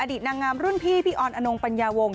นางงามรุ่นพี่พี่ออนอนงปัญญาวงศ